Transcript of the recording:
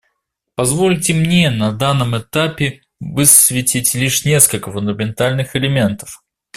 Позвольте мне на данном этапе высветить лишь несколько фундаментальных элементов.